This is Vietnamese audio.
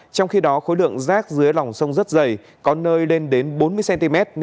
trong khi đó khối lượng rác dưới lòng sông rất dày có nơi lên đến bốn mươi cm